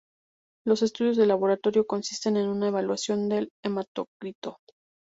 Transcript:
Los estudios de laboratorio consisten en una evaluación del hematocrito.